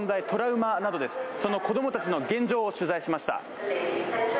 トラウマなどです、その子供たちの現状を取材しました。